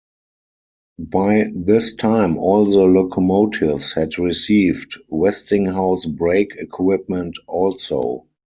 By this time all the locomotives had received Westinghouse brake equipment also.